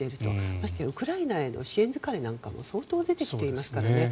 ましてウクライナへの支援疲れなんかも相当出てきていますからね。